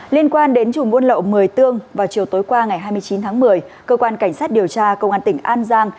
liên quan đến chủ môn lậu một mươi tương vào chiều tối qua ngày hai mươi chín tháng một mươi cơ quan cảnh sát điều tra công an tỉnh an giang